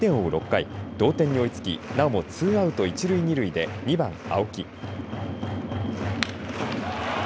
６回同点に追いつきなおもツーアウト一塁二塁で２番、青木。